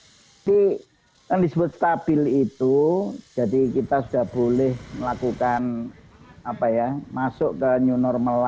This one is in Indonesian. jadi yang disebut stabil itu jadi kita sudah boleh melakukan apa ya masuk ke new normal